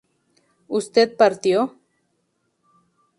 ¿Usted partió?